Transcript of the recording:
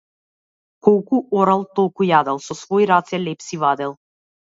Колку орал толку јадел, со свои раце леб си вадел.